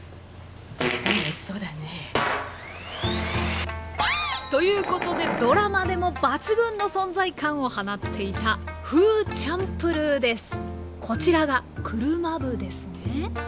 確かにおいしそうだね。ということでドラマでも抜群の存在感を放っていたこちらが車麩ですね。